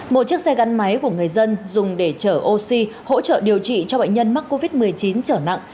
một chiếc xe gắn máy của người dân dùng để chở oxy hỗ trợ điều trị cho bệnh nhân mắc covid một mươi chín trở nặng